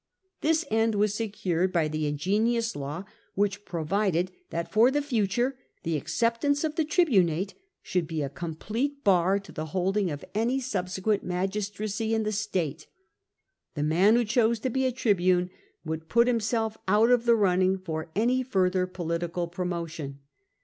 This end was secured by the ingenious law which pro vided that for the future the acceptance of the tribunate should be a complete bar to the holding of any subsequent magistracy in the state. The man who chose to be a tribune would put himself out of the running for any farther political promotion.